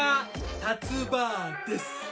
たつ婆です。